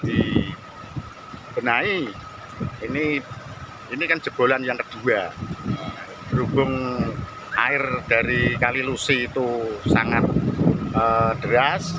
dibenahi ini ini kan jebolan yang kedua berhubung air dari kalilusi itu sangat deras